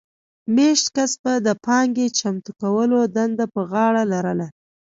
مېشت کس به د پانګې چمتو کولو دنده پر غاړه لرله